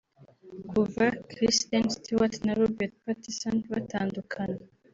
Kuva Kristen Stewart na Robert Pattison batandukana